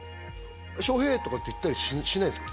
「将平」とかって言ったりしないんですか？